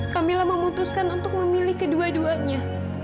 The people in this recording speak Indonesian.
camilla memutuskan untuk memilih kedua duanya